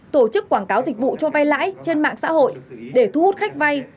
tổ chức quảng cáo dịch vụ cho vay lãi trên mạng xã hội để thu hút khách vay